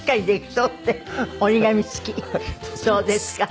そうですか。